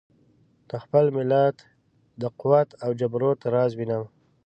د خپل ملت د قوت او جبروت راز وینم.